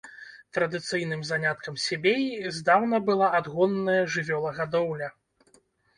Традыцыйным заняткам себеі здаўна была адгонная жывёлагадоўля.